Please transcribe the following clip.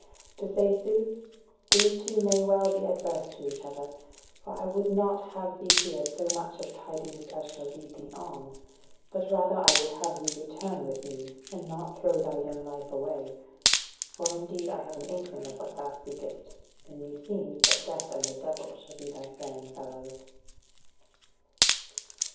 To say sooth, these two may well be adverse to each other, for I would not have thee hear so much of tidings as shall lead thee on, but rather I would have thee return with me, and not throw thy young life away: for indeed I have an inkling of what thou seekest, and meseems that Death and the Devil shall be thy faring fellows."